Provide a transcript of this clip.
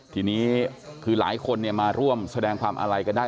ทีนี้คือหลายคนมาร่วมแสดงความอาลัยกันได้